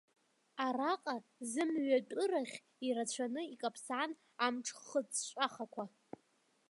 Араҟа зымҩатәырахь ирацәаны икаԥсан амҿ-хыҵәҵәахақәа.